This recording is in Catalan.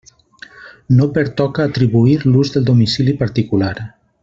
No pertoca atribuir l'ús del domicili particular.